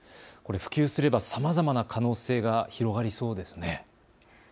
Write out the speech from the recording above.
普及すればさまざまな可能性が広がりそうですね。